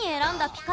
ピカ！